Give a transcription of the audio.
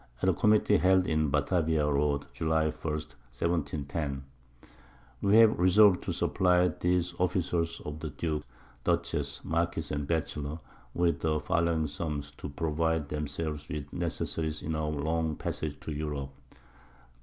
At a Committee held in Batavia Road, July 1. 1710. We have resolved to supply these Officers of the Duke, Dutchess, Marquiss, and Batchelor, with the following Sums, to provide themselves with Necessaries in our long Passage to Europe.